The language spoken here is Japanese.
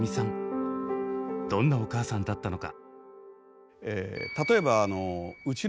どんなお母さんだったのか？